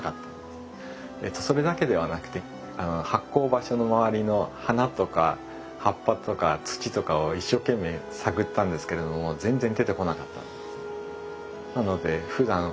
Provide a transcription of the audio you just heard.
それだけではなくて発酵場所の周りの花とか葉っぱとか土とかを一生懸命探ったんですけれども全然出てこなかった。